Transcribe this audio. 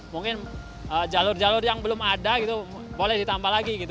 mungkin jalur jalur yang belum ada boleh ditambah lagi